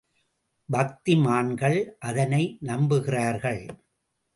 பக்திமான்கள் அதனை நம்புகிறார்கள்.